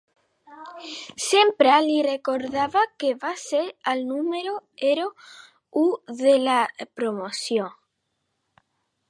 Sempre li recordava que va ser el número ero u de la promoció.